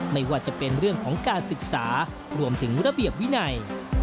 ไม่ว่าจะเป็นเรื่องของการศึกษารวมถึงระเบียบวินัย